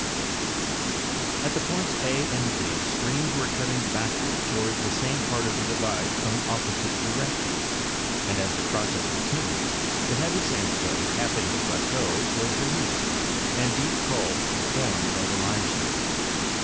At the points a and 0b streams were cutting backward toward the same part of the divide from opposite directions, and as the process continued the heavy sandstone capping the plateau was removed and deep cols formed on the limestone.